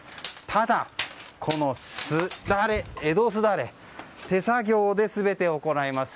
ただ、江戸すだれ、手作業で全て行います。